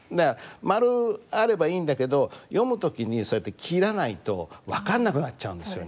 マルあればいいんだけど読む時にそうやって切らないと分かんなくなっちゃうんですよ